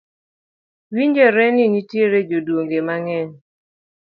Winjore ni nitiere jokuoge mang’eny